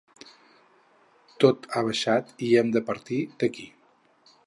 Tot ha baixat i hem de partir d’aquí.